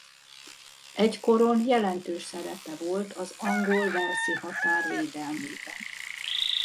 Egykoron jelentős szerepe volt az angol-walesi határ védelmében.